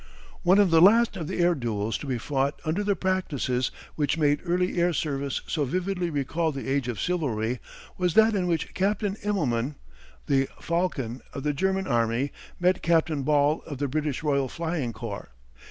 One of the last of the air duels to be fought under the practices which made early air service so vividly recall the age of chivalry, was that in which Captain Immelman, "The Falcon," of the German army, met Captain Ball of the British Royal Flying Corps.